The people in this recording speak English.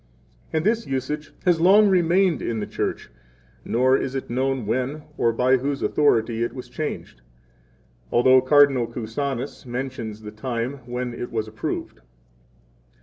4 And this usage has long remained in the Church, nor is it known when, or by whose authority, it was changed; although Cardinal Cusanus mentions the time 5 when it was approved.